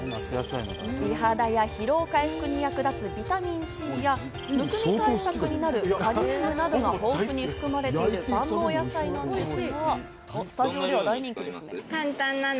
美肌や疲労回復に役立つビタミンＣや、むくみ対策になるカリウムなどが豊富に含まれている万能野菜です。